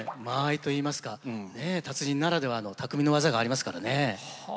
間合いといいますか達人ならではの匠の技がありますからね。